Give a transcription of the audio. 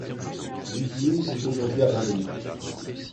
L'usine est aujourd'hui abandonnée.